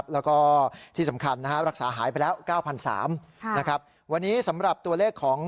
แล้วก็ที่สำคัญรักษาหายไปแล้ว๙๓๐๐ราย